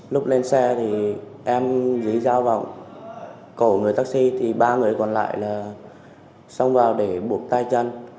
lúc lên xe thì em dưới dao vào cổ người taxi thì ba người còn lại là xông vào để buộc tay chân